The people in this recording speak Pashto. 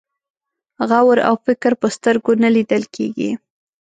غور او فکر په سترګو نه لیدل کېږي.